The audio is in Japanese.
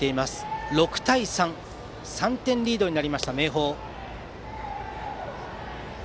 ６対３、３点リードになった明豊。